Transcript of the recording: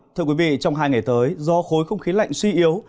thưa quý vị trong hai ngày tới do khối không khí lạnh suy yếu